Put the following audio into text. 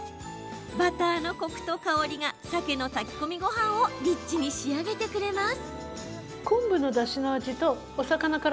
バターのコクと香りがサケの炊き込みごはんをリッチに仕上げてくれます。